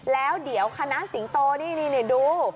แล้วเดี๋ยวคณะสิงโตนี่ดู